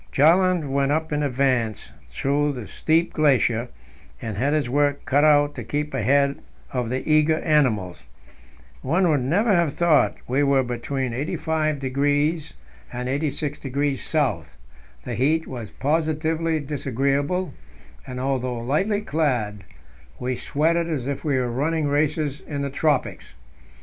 Bjaaland went in advance up through this steep glacier, and had his work cut out to keep ahead of the eager animals. One would never have thought we were between 85° and 86° S.; the heat was positively disagreeable, and, although lightly clad, we sweated as if we were running races in the tropics.